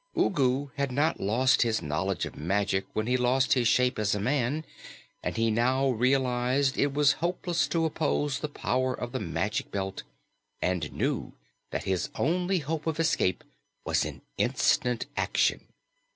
Ugu had not lost his knowledge of magic when he lost his shape as a man, and he now realized it was hopeless to oppose the power of the Magic Belt and knew that his only hope of escape lay in instant action.